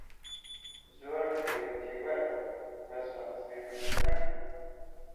زۆرم پێ گۆتی وەرە، بەس بە قسەی منت نەکرد.